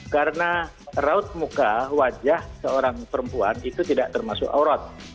karena raut muka wajah seorang perempuan itu tidak termasuk aurat